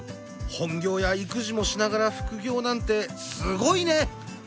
本業や育児もしながら副業なんてすごいね！